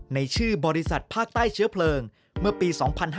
ในชื่อบริษัทภาคใต้เชื้อเพลิงเมื่อปี๒๕๕๙